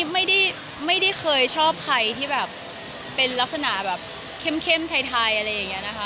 ไม่ได้เคยชอบใครที่แบบเป็นลักษณะแบบเข้มไทยอะไรอย่างนี้นะคะ